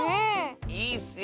いいッスよ！